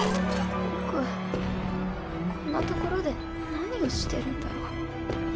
僕こんな所で何をしてるんだろ。